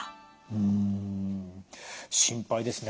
うん心配ですね。